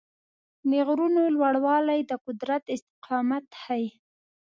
د غرونو لوړوالی د قدرت استقامت ښيي.